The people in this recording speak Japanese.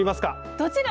どちら？